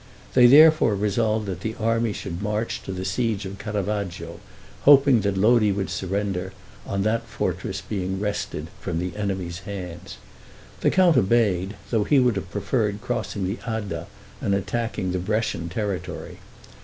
They therefore resolved that the army should march to the siege of Carravaggio, hoping that Lodi would surrender, on that fortress being wrested from the enemy's hands. The count obeyed, though he would have preferred crossing the Adda and attacking the Brescian territory.